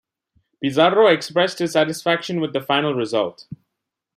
Pizarro expressed his satisfaction with the final result.